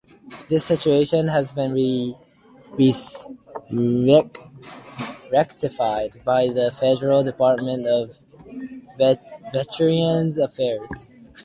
This situation has been rectified by the federal department of Veterans Affairs.